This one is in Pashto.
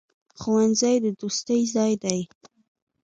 ښوونځی د دوستۍ ځای دی.